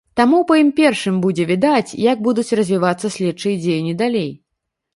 Таму па ім першым будзе відаць, як будуць развівацца следчыя дзеянні далей.